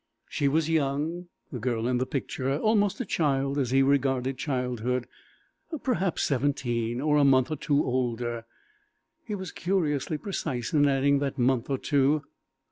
She was young, the girl in the picture; almost a child as he regarded childhood. Perhaps seventeen, or a month or two older; he was curiously precise in adding that month or two.